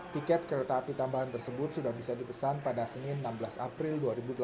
tiket kereta api tambahan tersebut sudah bisa dipesan pada senin enam belas april dua ribu delapan belas